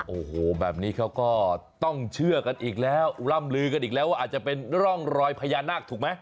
โอ้โหแบบนี้เขาก็ต้องเชื่อกันอีกแล้วล่ำลือกันอีกแล้วว่าอาจจะเป็นร่องรอยพญานาคถูกไหม